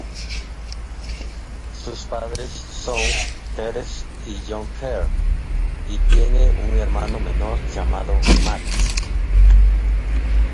Sus padres son Therese y John Kerr, y tiene un hermano menor llamado Matt.